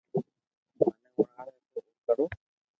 مني ھڻاوي تو او ڪرو